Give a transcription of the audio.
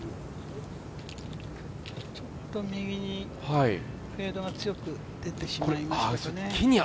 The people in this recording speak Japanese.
ちょっと右に強くフェードが強くでてきましたね。